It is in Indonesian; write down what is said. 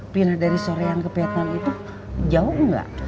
pilih dari soreang ke vietnam itu jauh nggak